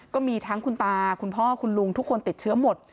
ก็มีทั้งคุณตาคุณพ่อคุณลุงทุกคนติดเชื้อหมด